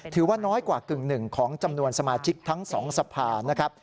ถือว่าน้อยกว่ากึ่งหนึ่งของจำนวนสมาชิกทั้ง๒สภานะครับ